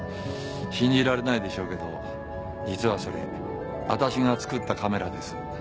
信じられないでしょうけど実はそれ私が作ったカメラです。